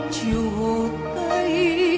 chiều hồ tây